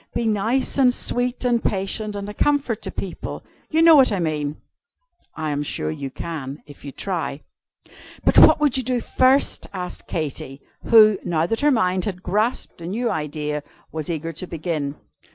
Be nice and sweet and patient, and a comfort to people. You know what I mean." "I am sure you can, if you try." "But what would you do first?" asked Katy; who, now that her mind had grasped a new idea, was eager to begin.